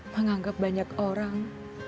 menganggap banyak orang